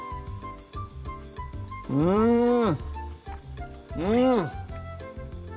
うんうん！